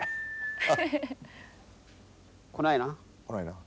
来ないな。